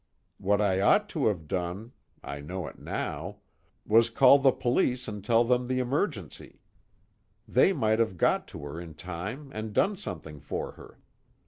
What I ought to have done I know it now was call the police and tell them the emergency. They might have got to her in time and done something for her.